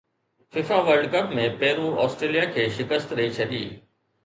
FIFA World Cup ۾ Peru Australia کي شڪست ڏئي ڇڏي